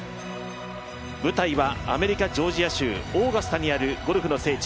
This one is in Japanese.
舞台はアメリカ・ジョージア州オーガスタにあるゴルフの聖地